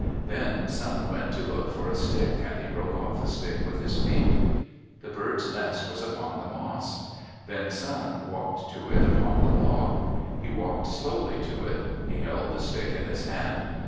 Then Sun went to look for a stick and he broke off a stick with his feet. The bird's nest was upon the moss. Then Sun walked to it upon the log. He walked slowly to it. He held the stick in his hand.